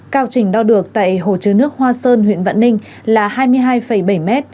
cao trình đo được tại hồ chứa nước hoa sơn huyện vạn ninh là hai mươi hai bảy m